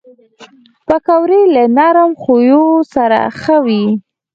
پکورې له نرم خویو سره ښه خوري